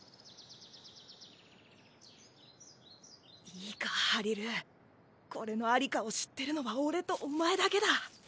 いいかハリルこれのありかを知ってるのは俺とお前だけだ。